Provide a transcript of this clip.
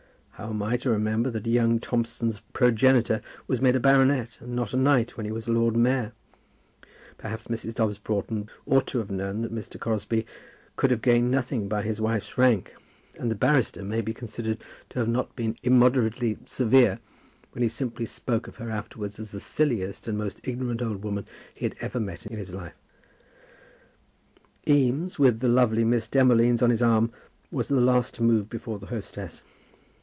How am I to remember that young Thompson's progenitor was made a baronet and not a knight when he was Lord Mayor? Perhaps Mrs. Dobbs Broughton ought to have known that Mr. Crosbie could have gained nothing by his wife's rank, and the barrister may be considered to have been not immoderately severe when he simply spoke of her afterwards as the silliest and most ignorant old woman he had ever met in his life. Eames with the lovely Miss Demolines on his arm was the last to move before the hostess.